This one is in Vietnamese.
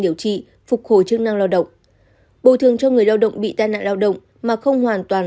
điều trị phục hồi chức năng lao động bồi thường cho người lao động bị tai nạn lao động mà không hoàn toàn